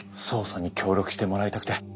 捜査に協力してもらいたくて。